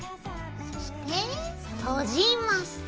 そして閉じます。